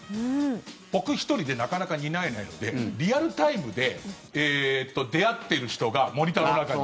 僕１人でなかなか担えないのでリアルタイムで出会ってる人がモニターの中に。